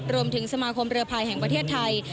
รวมถึงสมาคมเรือภายแห่งประเทศไทย